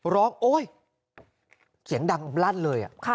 โอ๊ยเสียงดังลั่นเลย